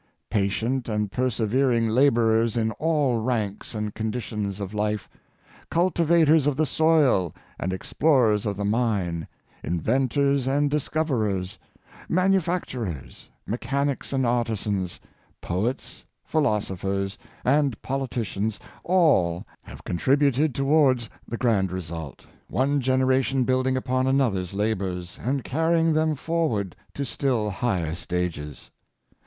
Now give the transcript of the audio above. Patient and persevering laborers in all ranks and condi tions of life, cultivators of the soil and explorers of the mine, inventors and discoverers, manufacturers, me chanics and artisans, poets, philosophers and politi cians, all have contributed towards the grand result, one generation building upon another's labors, and car rying them forward to still higher stages.